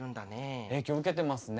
影響受けてますね。